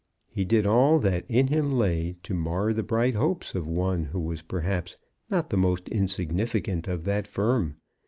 He did all that in him lay to mar the bright hopes of one who was perhaps not the most insignificant of that firm.